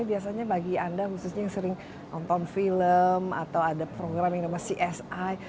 biasanya bagi anda khususnya yang sering nonton film atau ada program yang namanya csi